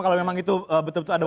kalau memang itu betul betul ada